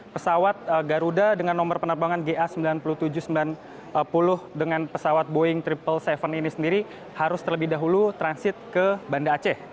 pesawat garuda dengan nomor penerbangan ga sembilan ribu tujuh ratus sembilan puluh dengan pesawat boeing tujuh ratus tujuh ini sendiri harus terlebih dahulu transit ke banda aceh